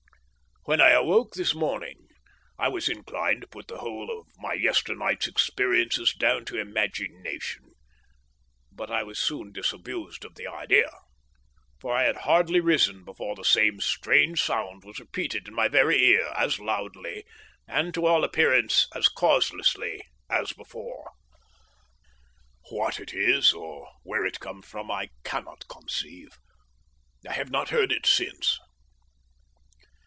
When I awoke this morning I was inclined to put the whole of my yesternight's experiences down to imagination, but I was soon disabused of the idea, for I had hardly risen before the same strange sound was repeated in my very ear as loudly, and to all appearance as causelesly, as before. What it is or where it comes from I cannot conceive. I have not heard it since.